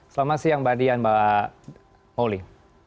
selamat siang mbak dian mbak mauli